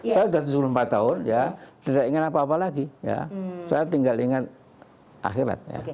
saya sudah tujuh puluh empat tahun ya tidak ingin apa apa lagi ya saya tinggal ingat akhirat